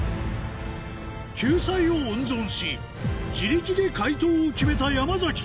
救済を温存し自力で解答を決めた山さん